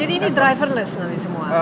jadi ini driverless nanti semua